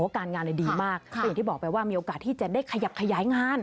การงานดีมากก็อย่างที่บอกไปว่ามีโอกาสที่จะได้ขยับขยายงาน